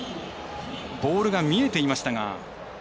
ボールが見えていましたが。